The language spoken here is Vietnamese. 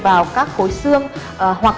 vào các khối xương hoặc